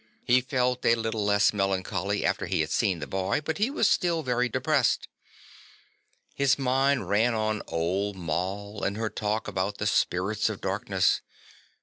He felt a little less melancholy after he had seen the boy, but he was still very depressed. His mind ran on old Moll and her talk about the spirits of darkness.